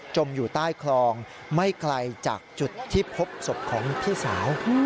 อยู่ใต้คลองไม่ไกลจากจุดที่พบศพของพี่สาว